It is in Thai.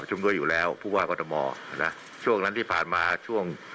ประจำด้วยอยู่แล้วภูวะกตมนะช่วงนั้นที่ผ่านมาช่วง